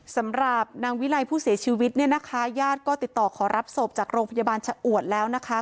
สำหรับนางวิลัยผู้เสียชีวิตเนี่ยนะคะญาติก็ติดต่อขอรับศพจากโรงพยาบาลชะอวดแล้วนะคะ